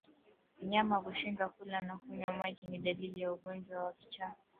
Mnyama kushindwa kula na kunywa maji ni dalili za ugonjwa wa kichaa